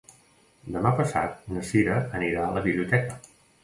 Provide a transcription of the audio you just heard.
Demà passat na Sira anirà a la biblioteca.